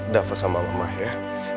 darah sama mama ya